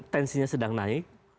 tensinya sedang naik